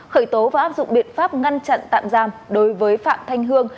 khởi tố và áp dụng biện pháp ngăn chặn tạm giam đối với phạm thanh hương